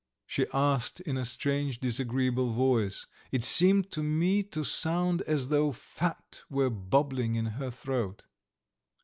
she asked in a strange, disagreeable voice: it seemed to me to sound as though fat were bubbling in her throat.